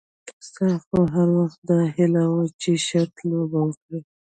ستا خو هر وخت داهیله وه چې شرطي لوبه وکړې.